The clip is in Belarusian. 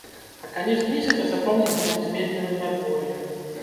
А канец месяца запомніцца нам зменлівым надвор'ем.